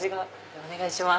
お願いします。